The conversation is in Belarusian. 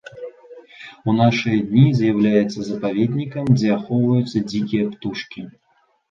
У нашы дні з'яўляецца запаведнікам, дзе ахоўваюцца дзікія птушкі.